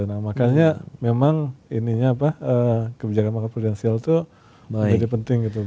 nah makanya memang kebijakan makro prudensial itu lebih penting gitu